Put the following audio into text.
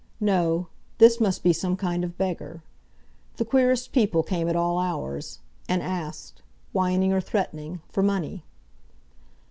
No; this must be some kind of beggar. The queerest people came at all hours, and asked—whining or threatening—for money.